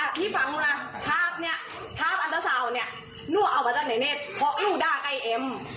อ่ะพี่ฟังหนูนะภาพเนี่ยภาพอันตสาวน์เนี่ยหนูเอามาจังไงเนี่ยเพราะหนูด้ากับไอ้เอ็ม